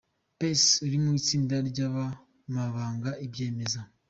Pais uri mu itsinda ry’aba baganga abyemeza.